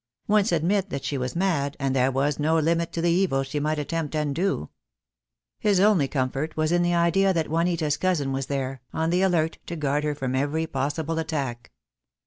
Once admit that she was mad, and there was no limit to the evil she might attempt and do. His only comfort was in the idea that Juanita's cousin was there, on the alert to guard her from every possible attack.